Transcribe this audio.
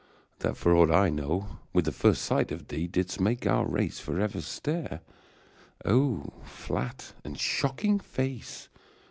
that, for aught I know, With the first sight of thee didst make our race For eA er stare ! flat and shocking face.